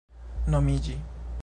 nomiĝi